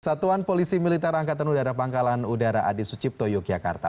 satuan polisi militer angkatan udara pangkalan udara adi sucipto yogyakarta